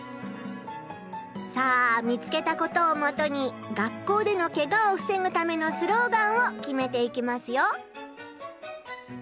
さあ見つけたことをもとに学校でのケガを防ぐためのスローガンを決めていきますよ。